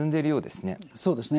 そうですね。